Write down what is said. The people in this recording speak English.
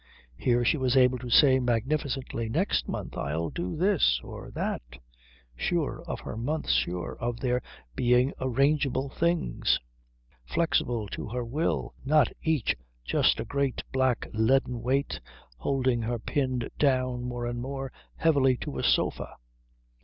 Here she was able to say magnificently, "Next month I'll do this or that," sure of her months, sure of their being arrangeable things, flexible to her will, not each just a great black leaden weight holding her pinned down more and more heavily to a sofa.